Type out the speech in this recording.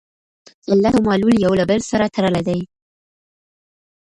علت او معلول یو له بل سره تړلي دي.